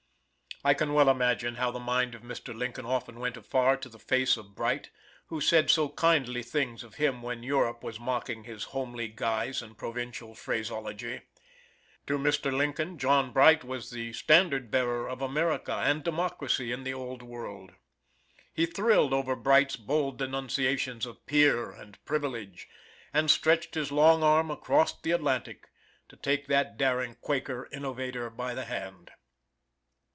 I can well imagine how the mind of Mr. Lincoln often went afar to the face of Bright, who said so kindly things of him when Europe was mocking his homely guise and provincial phraseology. To Mr. Lincoln, John Bright was the standard bearer of America and democracy in the old world. He thrilled over Bright's bold denunciations of peer and "Privilege," and stretched his long arm across the Atlantic to take that daring Quaker innovator by the hand.